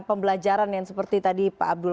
pembelajaran yang seperti tadi pak abdul